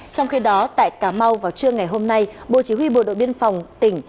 trong khi đó tại cà mau vào trưa ngày hôm nay bộ chỉ huy bộ đội biên phòng tỉnh